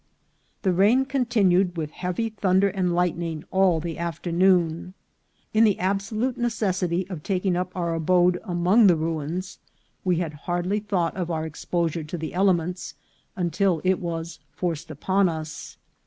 The rain continued, with heavy thunder and light ning, all the afternoon. In the absolute necessity of taking up our abode among the ruins, we had hardly thought of our exposure to the elements until it was forced upon us.